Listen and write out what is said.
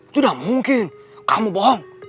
tidak mungkin kamu bohong